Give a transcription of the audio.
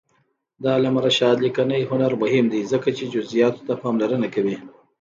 د علامه رشاد لیکنی هنر مهم دی ځکه چې جزئیاتو ته پاملرنه کوي.